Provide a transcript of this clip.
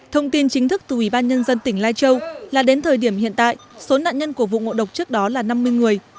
thông tin chính thức từ ủy ban nhân dân tỉnh lai châu là đến thời điểm hiện tại số nạn nhân của vụ ngộ độc trước đó là năm mươi người